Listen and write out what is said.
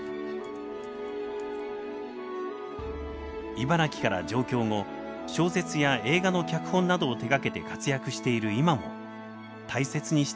茨城から上京後小説や映画の脚本などを手がけて活躍している今も大切にしているものがあります。